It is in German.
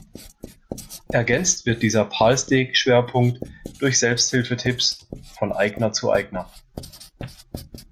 Ergänzt wird dieser "Palstek"-Schwerpunkt durch Selbsthilfe-Tipps „von Eigner zu Eigner“.